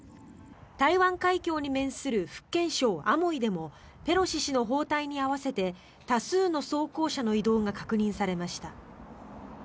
台湾海峡に面する福建省アモイでもペロシ氏の訪台に合わせて多数の装甲車の移動が確認されました。